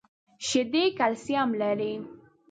شیدې کلسیم لري .